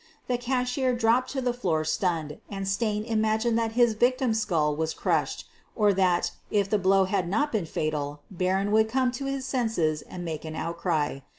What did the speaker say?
The cashier dropped to the floor stunned and Stain imagined that his victim's skull was crushed, or that, if the blow had not been fatal, Barron would come to 236 SOPHIE LYONS his senses and make an outcry.